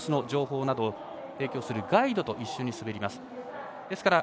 情報などを提供するガイドと一緒に滑ります。